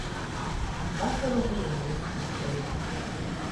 Vasalu dīnu vyss vysleidza.